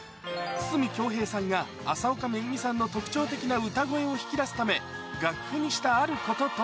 筒美京平さんが、麻丘めぐみさんの特徴的な歌声を引き出すため、楽譜にしたあるこ